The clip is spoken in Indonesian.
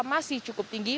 masih cukup tinggi